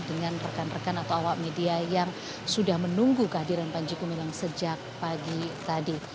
dengan rekan rekan atau awak media yang sudah menunggu kehadiran panji gumilang sejak pagi tadi